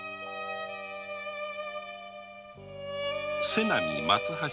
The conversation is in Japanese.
瀬波松橋